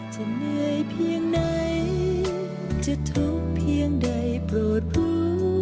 จะเหนื่อยเพียงไหนจะทุกข์เพียงใดโปรดผู้